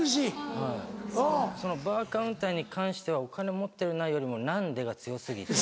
はいそのバーカウンターに関しては「お金持ってるな」よりも「何で？」が強過ぎて。